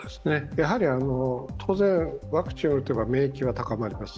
当然、ワクチンを打てば免疫は高まります。